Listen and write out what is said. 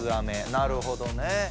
なるほどね。